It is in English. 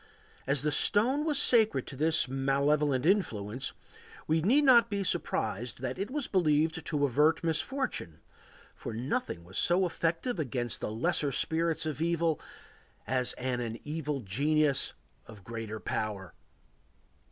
As the stone was sacred to this malevolent influence, we need not be surprised that it was believed to avert misfortune, for nothing was so effective against the lesser spirits of evil as an evil genius of great power.